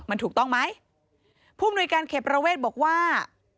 มันถูกต้องไหมผู้มนุยการเขตประเวทบอกว่า